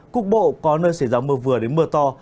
cục bộ có nơi xảy ra mưa vừa đến mưa to